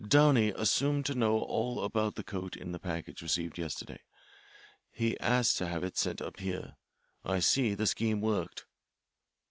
Downey assumed to know all about the coat in the package received yesterday. He asked to have it sent up here. I see the scheme worked."